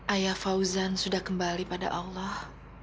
ayah fauzan sudah kembali pada allah